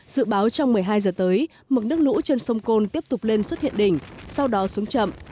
dự báo trong một mươi hai giờ tới mực nước lũ trên sông côn tiếp tục lên xuất hiện đỉnh sau đó xuống chậm